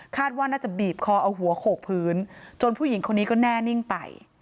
ว่าน่าจะบีบคอเอาหัวโขกพื้นจนผู้หญิงคนนี้ก็แน่นิ่งไป